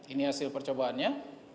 ini hasil percobaannya